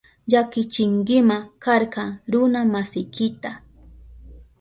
Llakichinkima karka runa masiykita.